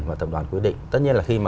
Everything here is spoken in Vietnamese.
mà tập đoàn quy định tất nhiên là khi mà